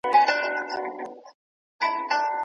کبابي په خپله چوکۍ باندې د مچانو د شړلو لپاره پکۍ خوځوله.